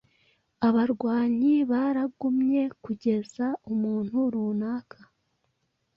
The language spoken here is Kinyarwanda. Abarwanyi baragumyekugeza umuntu runaka